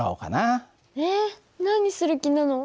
えっ何する気なの？